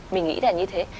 mình nghĩ là như thế